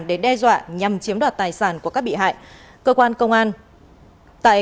để đe dọa nhằm chiếm đoạt tài sản của các bị hại